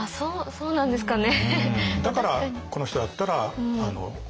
そうなんですかね。